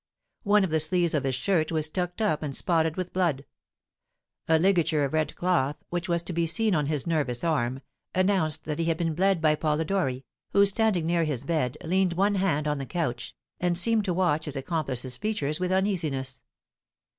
One of the sleeves of his shirt was tucked up and spotted with blood; a ligature of red cloth, which was to be seen on his nervous arm, announced that he had been bled by Polidori, who, standing near his bed, leaned one hand on the couch, and seemed to watch his accomplice's features with uneasiness.